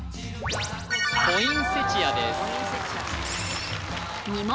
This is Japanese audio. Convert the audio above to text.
ポインセチアですあっ